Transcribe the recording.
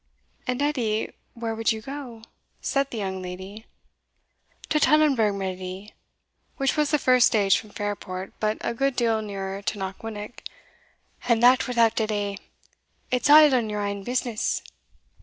"And, Edie where would ye go?" said the young lady. "To Tannonburgh, my leddy" (which was the first stage from Fairport, but a good deal nearer to Knockwinnock), "and that without delay it's a' on your ain business."